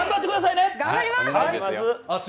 頑張ります。